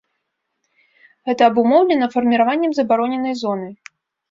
Гэта абумоўлена фарміраваннем забароненай зоны.